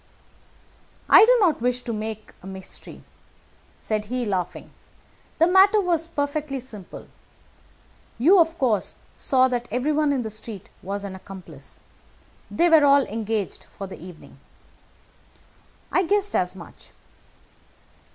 "I do not wish to make a mystery," said he, laughing. "The matter was perfectly simple. You, of course, saw that everyone in the street was an accomplice. They were all engaged for the evening." "I guessed as much."